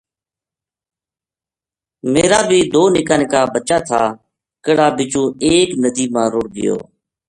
میرا بی دو نکا نکا بچہ تھا کہڑا بِچو ایک ندی ما رُڑھ گیو